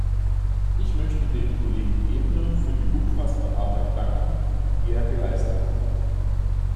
Ich möchte dem Kollegen Ebner für die umfassende Arbeit danken, die er geleistet hat.